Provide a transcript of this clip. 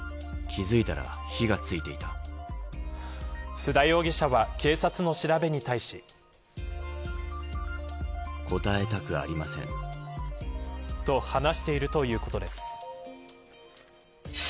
須田容疑者は警察の調べに対し。と話しているということです。